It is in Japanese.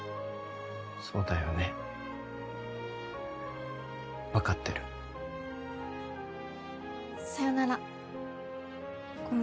そうだよね分かってるさよならころ